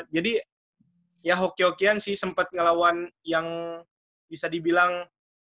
jadi ya hoki hokian sih sempet ngelawan yang bisa dibilang